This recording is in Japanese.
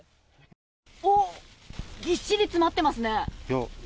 ぎっしり詰まってますね。